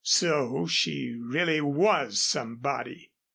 So she really was somebody.